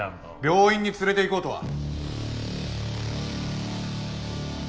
病院に連れて行こうとは？